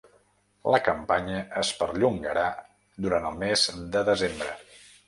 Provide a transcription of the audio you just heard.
La campanya es perllongarà durant el mes de desembre.